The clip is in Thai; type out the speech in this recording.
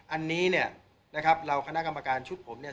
อันนี้เนี่ยนะครับเราคณะกรรมการชุดผมเนี่ย